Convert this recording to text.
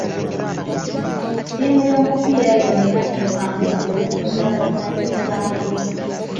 Ttiimu y'omupiira yonna empanguzi ewummuza abazannyi baayo.